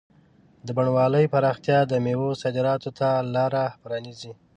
د بڼوالۍ پراختیا د مېوو صادراتو ته لاره پرانیزي.